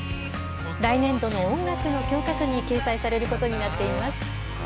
来年度の音楽の教科書に掲載されることになっています。